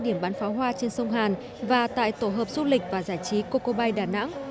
điểm bán pháo hoa trên sông hàn và tại tổ hợp du lịch và giải trí coco bay đà nẵng